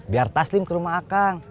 biar tas tim ke rumah akang